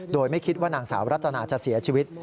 โดยไม่คิดว่านางสาวรัตนาจะเสียชีวิต